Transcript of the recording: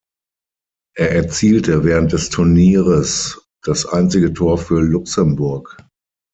Er erzielte während des Turnieres das einzige Tor für Luxemburg.